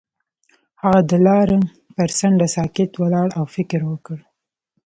هغه د لاره پر څنډه ساکت ولاړ او فکر وکړ.